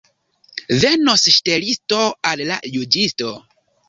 Venos ŝtelisto al la juĝisto.